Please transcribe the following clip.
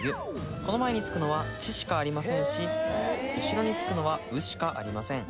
この前につくのは「ち」しかありませんし後ろにつくのは「う」しかありません。